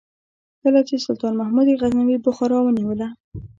کله چې سلطان محمود غزنوي بخارا ونیوله.